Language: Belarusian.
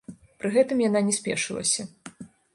Пры гэтым яна не спешылася.